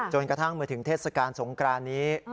กระทั่งเมื่อถึงเทศกาลสงครานนี้